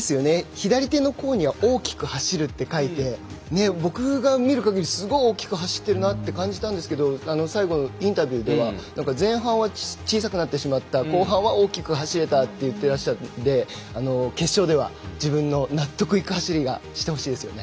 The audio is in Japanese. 左手の甲には大きく走ると書いて僕が見る限り、すごく大きく走っているなと感じたんですが最後のインタビューでは前半は小さくなってしまった後半は大きく走れたと言っていらっしゃって決勝では、自分の納得いく走りがしてほしいですね。